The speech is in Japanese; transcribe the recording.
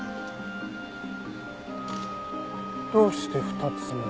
どうして２つも？